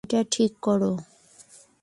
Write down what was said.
এটা ঠিক কর।